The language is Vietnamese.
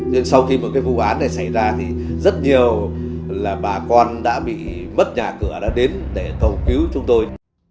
nên sau khi một cái vụ án này xảy ra thì rất nhiều là bà con đã bị mất nhà cửa đã đến để cầu cứu chúng tôi